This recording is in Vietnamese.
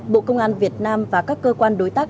bộ công an việt nam và các cơ quan đối tác